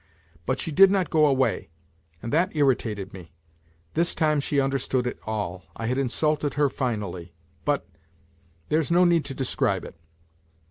But she did not go away, and that irritated me. This time she understood it all. I had insulted her finally, but ... there's no need to describe it.